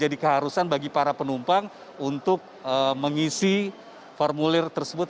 keharusan bagi para penumpang untuk mengisi formulir tersebut